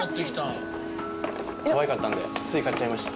かわいかったのでつい買っちゃいました。